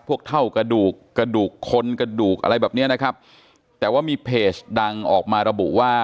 เท่ากระดูกกระดูกคนกระดูกอะไรแบบเนี้ยนะครับแต่ว่ามีเพจดังออกมาระบุว่า